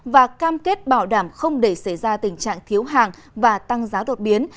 và cam kết bảo đảm không để xảy ra tình trạng thiếu hàng và tăng giá đột biến